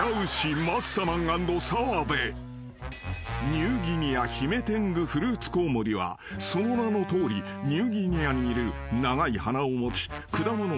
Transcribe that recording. ［ニューギニアヒメテングフルーツコウモリはその名のとおりニューギニアにいる長い鼻を持ち果物を食べるコウモリ］